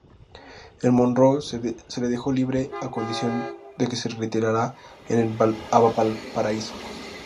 El "Monroe" se le dejó libre a condición de que se retirara a Valparaíso.